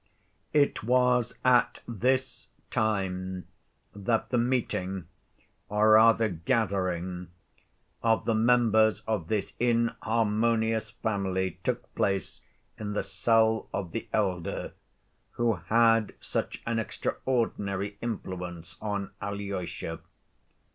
It was at this time that the meeting, or, rather gathering of the members of this inharmonious family took place in the cell of the elder who had such an extraordinary influence on Alyosha.